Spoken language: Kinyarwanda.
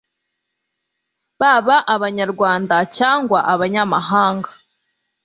baba Abanyarwanda cyangwa abanyamahanga